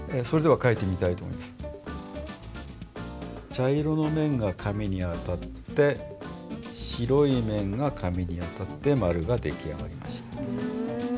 茶色の面が紙に当たって白い面が紙に当たって丸が出来上がりました。